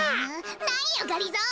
なによがりぞー！